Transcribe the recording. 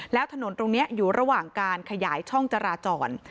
แล้วถนนตรงนี้อยู่ระหว่างการขยายช่องจราจร